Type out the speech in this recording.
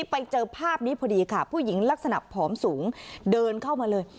ไปเจอภาพนี้พอดีค่ะผู้หญิงลักษณะผอมสูงเดินเข้ามาเลย